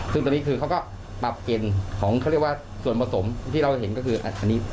ซึ่งตอนนี้คือเขาก็ปรับเกณฑ์ของเขาเรียกว่าส่วนผสมที่เราเห็นก็คืออันนี้สเตรลอยด์